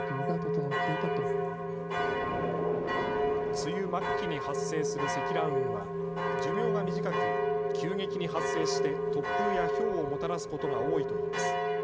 梅雨末期に発生する積乱雲は寿命が短く急激に発生して突風やひょうをもたらすことが多いといいます。